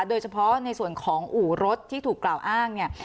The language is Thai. โดยเฉพาะในส่วนของอู่รถที่ถูกกล่าวอ้างเนี่ย